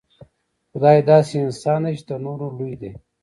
خدای داسې انسان دی چې تر نورو لوی دی.